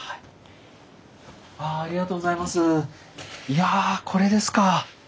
いやこれですか。